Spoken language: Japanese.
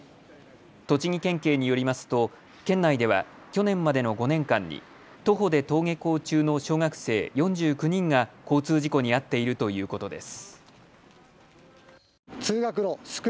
栃木県警によりますと県内では去年までの５年間に徒歩で登下校中の小学生４９人が交通事故に遭っているということです。